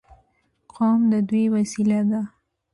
قوم د دوی وسیله ده.